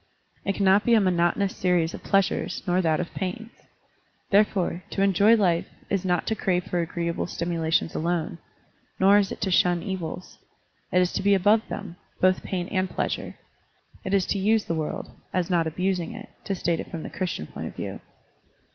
It cannot be a monotonous series of pleasures, nor that of pains. Therefore, to enjoy life is not to crave for agreeable stimulations alone, nor is it to shun evils. It is to be above them, both pain and pleasure. It is to use the world, as not abusing it, to state it from the Christian point of view.